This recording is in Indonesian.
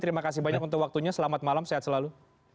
terima kasih banyak untuk waktunya selamat malam sehat selalu